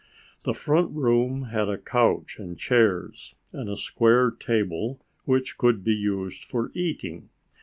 The front room had a couch and chairs, and a square table which could be used for eating.